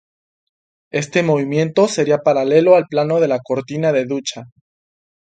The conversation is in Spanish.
Este movimiento sería paralelo al plano de la cortina de ducha.